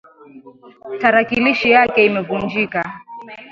Tarakilishi yake imevunjika.